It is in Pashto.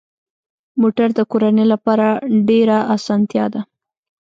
موټر د کورنۍ لپاره ډېره اسانتیا ده.